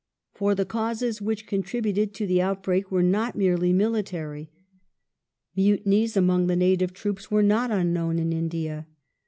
For the causes which contributed to the outbreak were not merely military. Mutinies among the native troops were not indeed unknown in India.